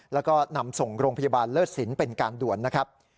แล้วก็นำส่งโรงพยาบาลเลิศสินเป็นการด่วนนะครับ